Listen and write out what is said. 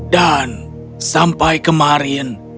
dan sampai kemarin